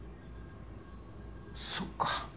そっか。